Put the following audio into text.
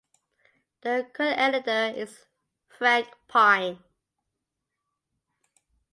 The current editor is Frank Pine.